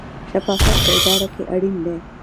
شفافیت په اداره کې اړین دی